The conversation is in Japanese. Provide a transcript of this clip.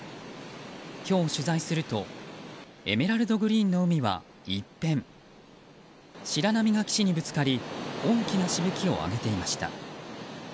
今日、取材するとエメラルドグリーンの海は一変白波が岸にぶつかり大きなしぶきを上げていました。